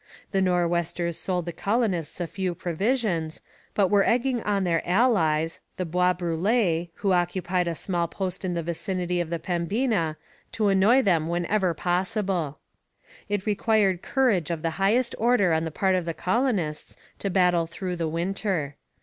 The Nor'westers sold the colonists a few provisions, but were egging on their allies, the Bois Brûlés, who occupied a small post in the vicinity of the Pembina, to annoy them whenever possible. It required courage of the highest order on the part of the colonists to battle through the winter.